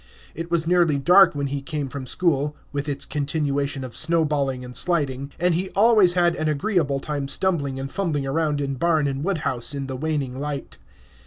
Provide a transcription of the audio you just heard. It was nearly dark when he came from school (with its continuation of snowballing and sliding), and he always had an agreeable time stumbling and fumbling around in barn and wood house, in the waning light.